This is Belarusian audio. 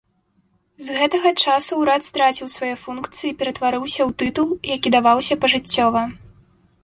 З гэтага часу ўрад страціў свае функцыі і ператварыўся ў тытул, які даваўся пажыццёва.